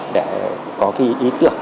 để có ý tưởng